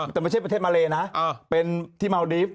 แต่ไม่ใช่ประเทศมาเลนะเป็นที่เมาดีฟ